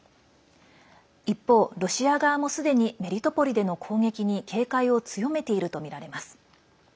一方、ロシア側もすでにメリトポリでの攻撃に警戒を強めているとみられます。